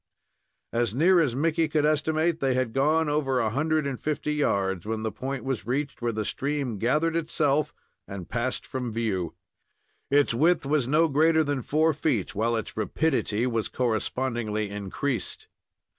As near as Mickey could estimate, they had gone over a hundred and fifty yards when the point was reached where the stream gathered itself and passed from view. Its width was no greater than four feet, while its rapidity was correspondingly increased.